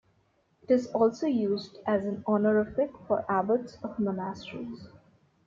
It is also used as an honorific for abbots of monasteries.